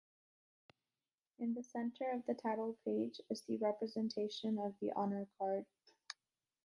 In the center of the title page is the representation of the honor card.